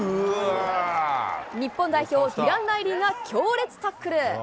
ディラン・ライリーが強烈タックル。